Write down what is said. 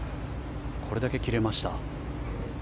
これだけ切れました。